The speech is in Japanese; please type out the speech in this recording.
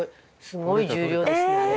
すごい重量ですねあれ。